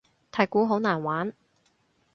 太鼓好難玩